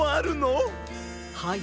はい。